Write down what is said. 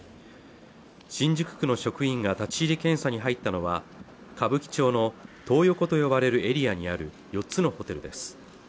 新宿区の職員が立入検査に入ったのは歌舞伎町のトー横と呼ばれるエリアにある４つのホテルです